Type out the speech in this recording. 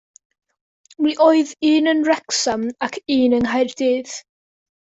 Mi oedd un yn Wrecsam ac un yng Nghaerdydd.